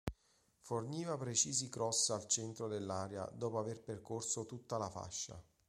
Forniva precisi cross al centro dell'area dopo aver percorso tutta la fascia.